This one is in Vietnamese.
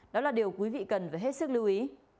đó là điều quý vị cần phải hết sức lưu ý